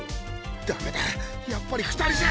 ダメだやっぱり２人じゃ。